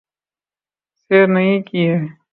سیر نہیں کی ہے